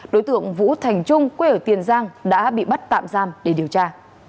đối tượng vũ thành trung quê ở tiền giang đã bị bắt tạm giam để điều tra